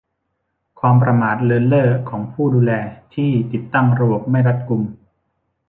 ความประมาทเลินเล่อของผู้ดูแลที่ติดตั้งระบบไม่รัดกุม